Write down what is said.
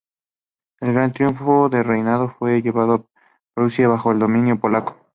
El gran triunfo de su reinado fue llevar Prusia bajo el dominio polaco.